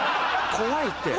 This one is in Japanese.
怖いって。